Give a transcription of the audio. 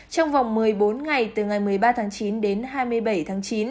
trong vòng một mươi bốn ngày từ ngày một mươi ba tháng chín đến hai mươi bảy tháng chín